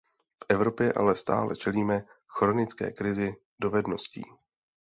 V Evropě ale stále čelíme chronické krizi dovedností.